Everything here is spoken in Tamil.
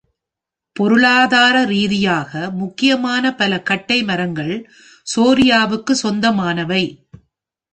பொருளாதார ரீதியாக முக்கியமான பல கட்டை மரங்கள் "ஷோரியா" க்கு சொந்தமானவை.